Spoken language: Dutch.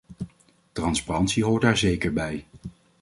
Transparantie hoort daar zeker bij.